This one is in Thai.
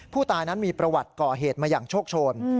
ผู้ตายนั้นมีประวัติก่อเหตุมาอย่างโชคโชน